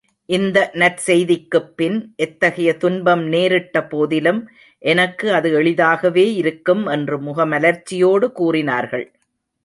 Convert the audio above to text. இந்த நற்செய்திக்குப் பின் எத்தகைய துன்பம் நேரிட்ட போதிலும், எனக்கு அது எளிதாகவே இருக்கும் என்று முகமலர்ச்சியோடு கூறினார்கள்.